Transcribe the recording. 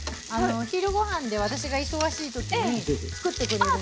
昼ごはんで私が忙しい時に作ってくれるんですよ。